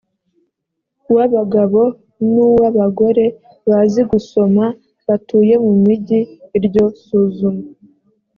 w abagabo n uw abagore bazi gusoma batuye mu migi iryo suzuma